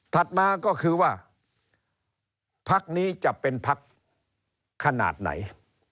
มาก็คือว่าพักนี้จะเป็นพักขนาดไหน